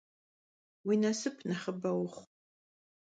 Vui nasıp nexhıbe vuxhu!